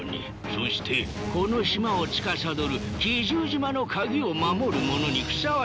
そしてこの島をつかさどる奇獣島の鍵を守る者にふさわしい。